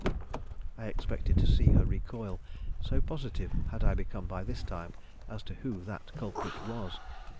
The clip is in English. I expected to see her recoil, so positive had I become by this time as to who that culprit was.